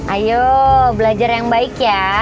ayo belajar yang baik ya